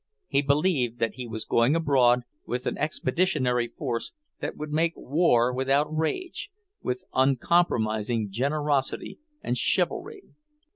He believed that he was going abroad with an expeditionary force that would make war without rage, with uncompromising generosity and chivalry.